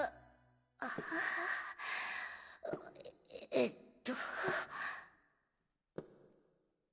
えっと。